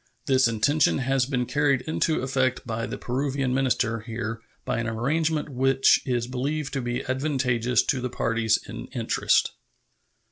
This intention has been carried into effect by the Peruvian minister here by an arrangement which is believed to be advantageous to the parties in interest.